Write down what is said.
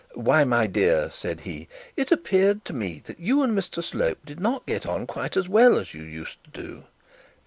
'Why, my dear,' said he, 'it appeared to me that you and Mr Slope did not get on quite as well as you used to do.'